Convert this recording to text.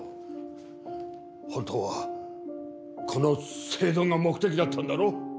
本当はこの聖丼が目的だったんだろ？